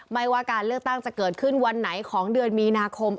ไม่ว่าการเลือกตั้งจะเกิดขึ้นวันไหนของเดือนมีนาคม